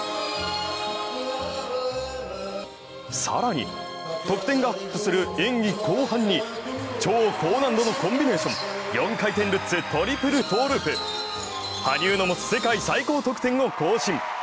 更に得点がアップする演技後半に、超高難度のコンビネーション、４回転ルッツ、トリプルトウループ羽生の持つ世界最高得点を更新。